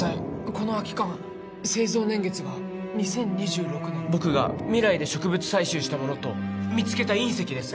この空き缶製造年月が２０２６年僕が未来で植物採集したものと見つけた隕石です